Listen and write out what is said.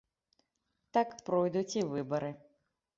Так пройдуць і выбары.